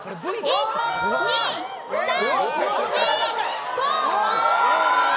１、２、３、４、５。